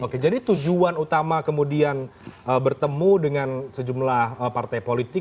oke jadi tujuan utama kemudian bertemu dengan sejumlah partai politik